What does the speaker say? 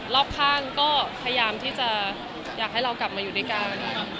รอบข้างก็พยายามที่จะอยากให้เรากลับมาอยู่ด้วยกัน